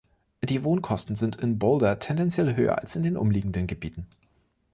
Die Wohnkosten sind in Boulder tendenziell höher als in den umliegenden Gebieten.